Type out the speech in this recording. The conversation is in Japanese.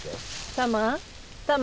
タマ。